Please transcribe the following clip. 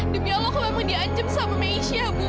demi allah aku memang dianjem sama meisyah bu